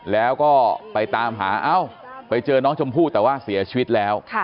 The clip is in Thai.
แล้วก็ไปตามหาเอ้าไปเจอน้องชมพู่แต่ว่าเสียชีวิตแล้ว